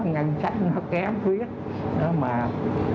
ngân sách nó kém tuyết